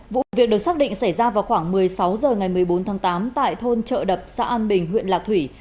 vụ việc được xác định xảy ra vào khoảng một mươi sáu h ngày một mươi bốn tháng tám tại thôn trợ đập xã an bình huyện lạc thủy